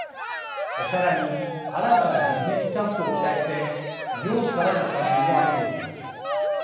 さらに新たなビジネスチャンスを期待して、異業種からの参入も相次いでいます。